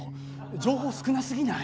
情報少なすぎない？